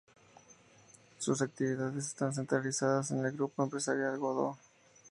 Sus actividades están centralizadas en el Grupo empresarial Godó.